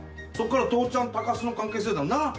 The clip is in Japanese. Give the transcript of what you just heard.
そっから父ちゃんタカシの関係性だな。